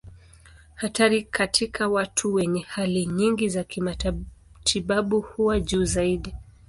Hatari katika watu wenye hali nyingi za kimatibabu huwa juu zaidi.